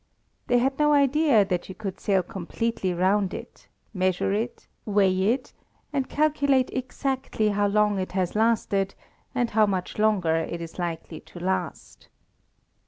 They had no idea that you could sail completely round it; measure it; weigh it and calculate exactly how long it has lasted and how much longer it is likely to last.